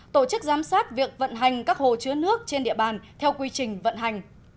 tổ chức giám sát việc vận hành các hồ chứa nước trên địa bàn theo quy trình vận hành